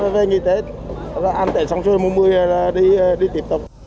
về nghỉ tết ăn tết xong rồi mùa một mươi đi tìm tàu